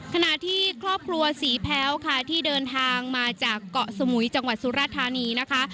ขณะที่ครอบครัวศรีแพ้วค่ะที่เดินทางมาจากเกาะสมุยจังหวัดสุราธานีนะคะ